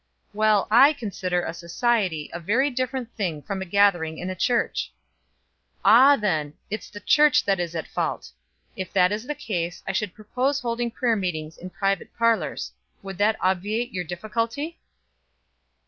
"Well I consider a society a very different thing from a gathering in a church." "Ah, then it's the church that is at fault. If that is the case, I should propose holding prayer meetings in private parlors. Would that obviate your difficulty?"